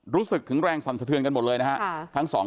รู้สึกถึงแรงสั่นสะเทือนกันหมดเลยนะฮะ